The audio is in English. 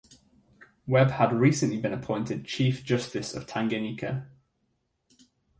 Webb had recently been appointed Chief Justice of Tanganyika.